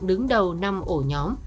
đứng đầu năm ổ nhóm